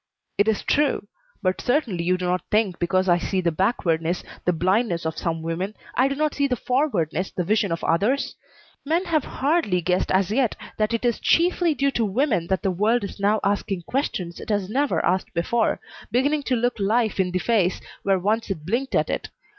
"It is true, but certainly you do not think because I see the backwardness, the blindness of some women, I do not see the forwardness, the vision of others? Men have hardly guessed as yet that it is chiefly due to women that the world is now asking questions it has never asked before, beginning to look life in the face where once it blinked at it.